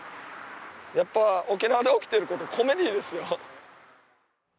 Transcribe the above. やっぱ沖縄で起きてることコメディーですよ。